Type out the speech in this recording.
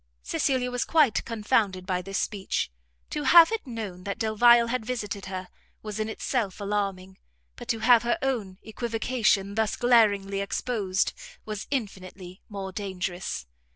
Cecilia was quite confounded by this speech; to have it known that Delvile had visited her, was in itself alarming, but to have her own equivocation thus glaringly exposed, was infinitely more dangerous.